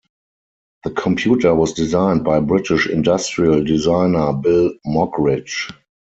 The computer was designed by British industrial designer Bill Moggridge.